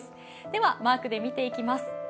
では、マークで見ていきます。